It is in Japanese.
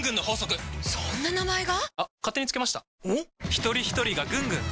ひとりひとりがぐんぐん！